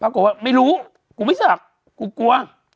พระครูว่าไม่รู้กูไม่สักกูกลัว